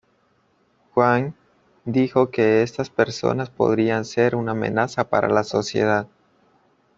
Huang dijo que estas personas podrían ser una amenaza para la sociedad.